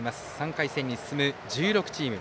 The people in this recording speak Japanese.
３回戦に進む１６チーム